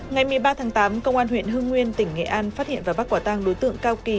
ngày một mươi ba tháng tám công an huyện hưng nguyên tỉnh nghệ an phát hiện và bắt quả tăng đối tượng cao kỳ